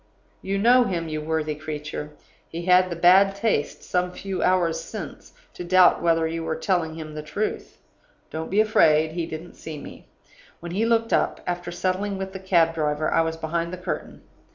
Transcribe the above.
You know him, you worthy creature; he had the bad taste, some few hours since, to doubt whether you were telling him the truth. Don't be afraid, he didn't see me. When he looked up, after settling with the cab driver, I was behind the curtain.